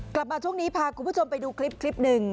กลับมาช่วงนี้พาคุณผู้ชมไปดูคลิปหนึ่ง